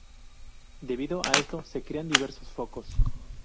Debido a esto se crean diversos focos.